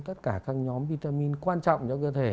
tất cả các nhóm vitamin quan trọng trong cơ thể